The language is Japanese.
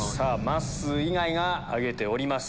まっすー以外が挙げております。